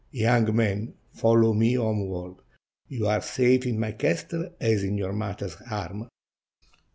Young man, follow me homeward; you are safe in my castle as in your mother's arms."